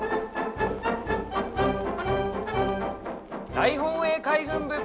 大本営海軍部。